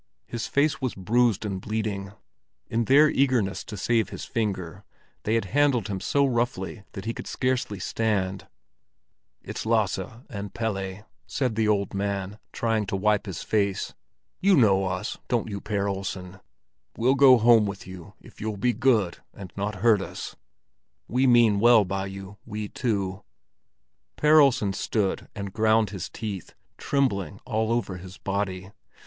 His face was bruised and bleeding; in their eagerness to save his finger, they had handled him so roughly that he could scarcely stand. "It's Lasse and Pelle," said the old man, trying to wipe his face. "You know us, don't you, Per Olsen? We'll go home with you if you'll be good and not hurt us; we mean well by you, we two." Per Olsen stood and ground his teeth, trembling all over his body.